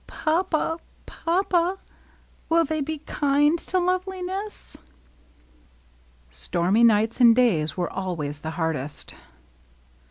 Papa, Papa, will they be kind to Loveliness ?" Stormy nights and days were always the hardest.